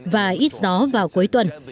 và ít gió vào cuối tuần